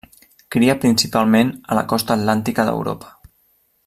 Cria principalment a la costa atlàntica d'Europa.